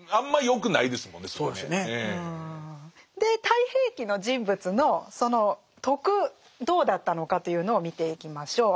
「太平記」の人物のその徳どうだったのかというのを見ていきましょう。